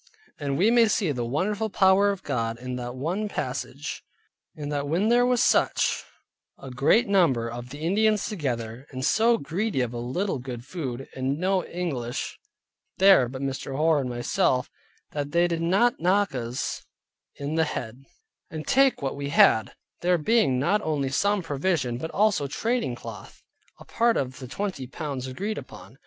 And we may see the wonderful power of God, in that one passage, in that when there was such a great number of the Indians together, and so greedy of a little good food, and no English there but Mr. Hoar and myself, that there they did not knock us in the head, and take what we had, there being not only some provision, but also trading cloth, a part of the twenty pounds agreed upon.